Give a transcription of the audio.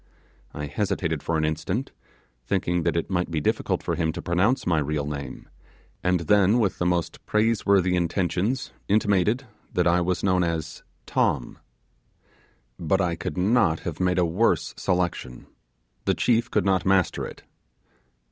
I hesitated for an instant, thinking that it might be difficult for him to pronounce my real name, and then with the most praiseworthy intentions intimated that I was known as 'Tom'. But I could not have made a worse selection; the chief could not master it.